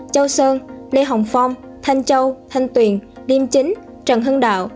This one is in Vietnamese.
châu sơn lê hồng phong thanh châu thanh tuyền liêm chính trần hưng đạo